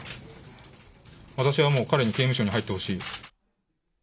私はもう彼に刑務所に入ってほし